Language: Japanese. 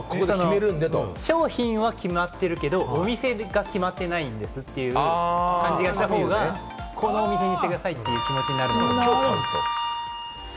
商品は決まってるけれども、お店が決まってないんですという感じがした方が、このお店にしてくださいという気持ちになるのかなって。